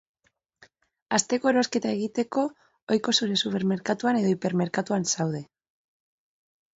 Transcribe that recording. Asteko erosketa egiteko ohiko zure supermerkatuan edo hipermerkatuan zaude.